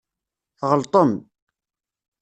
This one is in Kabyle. Tɣelṭem.